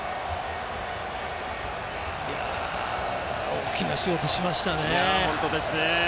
大きな仕事しましたね。